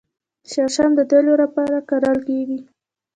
شړشم د تیلو لپاره کرل کیږي.